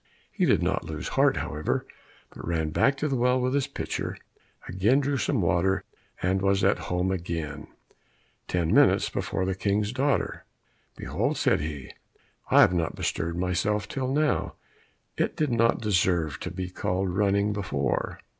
He did not lose heart, however, but ran back to the well with his pitcher, again drew some water, and was at home again, ten minutes before the King's daughter. "Behold!" said he, "I have not bestirred myself till now, it did not deserve to be called running before."